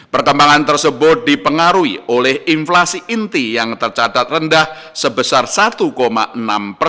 perkembangan tersebut dipengaruhi oleh inflasi inti yang tercatat rendah sebesar satu enam persen